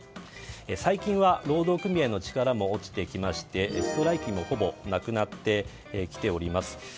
最近は労働組合の力も落ちてきましてストライキもほぼなくなってきております。